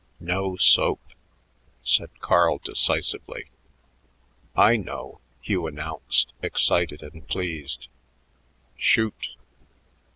"No soap," said Carl decisively. "I know," Hugh announced, excited and pleased. "Shoot!"